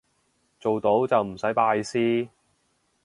做到就唔使拜師